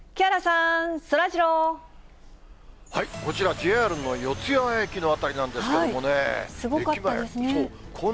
ＪＲの四ツ谷駅の辺りなんですけれどもね。